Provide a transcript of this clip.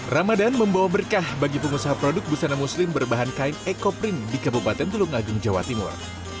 ramadan membawa berkah bagi pengusaha produk busana muslim berbahan kain ekoprint di kabupaten tulung agung jawa timur